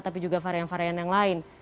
tapi juga varian varian yang lain